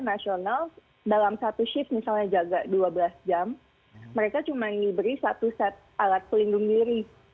nasional dalam satu shift misalnya jaga dua belas jam mereka cuma diberi satu set alat pelindung diri